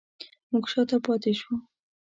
موږ شاته پاتې شوو